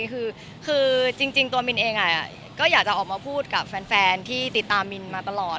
คือจริงตัวมินเองก็อยากจะออกมาพูดกับแฟนที่ติดตามมินมาตลอด